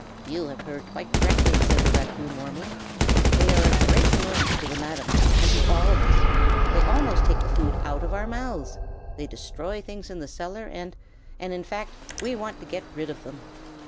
"You have heard quite correctly!" said the raccoon, warmly. "They are a great annoyance to the Madam, and to all of us. They almost take the food out of our mouths; they destroy things in the cellar, and and in fact, we want to get rid of them."